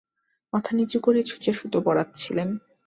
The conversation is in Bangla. মাথা নিচু করে ছুঁচে সুতো পরাচ্ছিলেন।